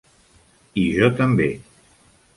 I jo també!